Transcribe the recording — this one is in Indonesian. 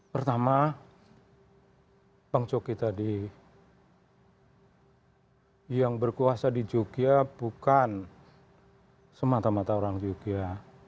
pertama bang coki tadi yang berkuasa di jogja bukan semata mata orang jogja